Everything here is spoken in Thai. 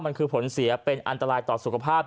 มันคือผลเสียเป็นอันตรายต่อสุขภาพ